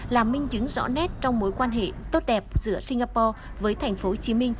là minh chứng rõ nét trong mối quan hệ tốt đẹp giữa singapore với tp hcm